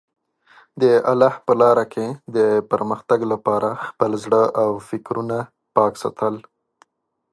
د الله په لاره کې د پرمختګ لپاره خپل زړه او فکرونه پاک ساتل.